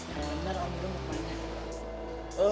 emang bener om dudung mau ke mana